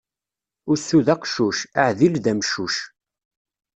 Usu d aqeccuc, aɛdil d ameccuc.